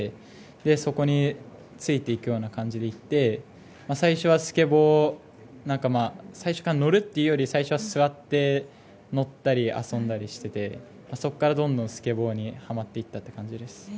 そこについていくような感じで行って最初から乗るというより最初は座って乗ったり遊んだりしててそこからどんどんスケボーにはまっていったという感じです。